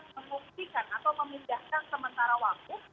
membuktikan atau memindahkan sementara waktu